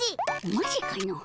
マジかの。